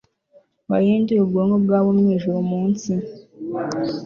wahinduye ubwonko bwabo mwijuru munsi